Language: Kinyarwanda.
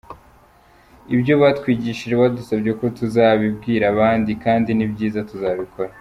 Ibyo batwigishije badusabye ko tuzabibwira abandi, kandi ni byiza tuzabikora”.